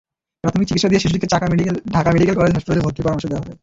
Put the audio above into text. প্রাথমিক চিকিৎসা দিয়ে শিশুটিকে ঢাকা মেডিকেল কলেজ হাসপাতালে ভর্তির পরামর্শ দেওয়া হয়।